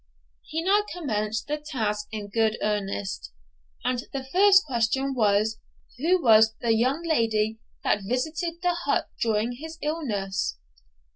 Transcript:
He now commenced the task in good earnest; and the first question was, Who was the young lady that visited the hut during his illness?